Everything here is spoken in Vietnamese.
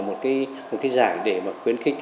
một cái giải để mà khuyến khích